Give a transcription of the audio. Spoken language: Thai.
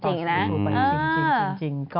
ไปทุกที่จริง